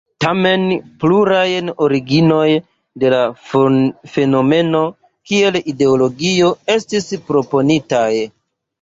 Tamen, pluraj originoj de la fenomeno kiel ideologio estis proponitaj.